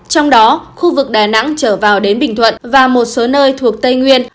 trong đó khu vực đà nẵng trở vào đến bình thuận và một số nơi thuộc tây nguyên